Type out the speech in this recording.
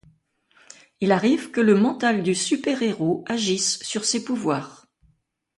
Il arrive que le mental du super-héros agisse sur ses pouvoirs.